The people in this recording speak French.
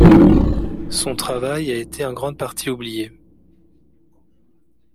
Son travail a été en grande partie oublié.